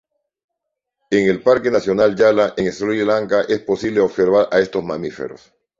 En el Parque Nacional Yala, en Sri Lanka, es posible observar a estos mamíferos.